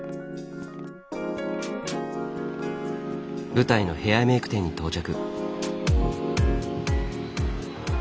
舞台のヘアメイク店に到着。